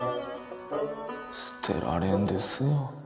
捨てられんですよ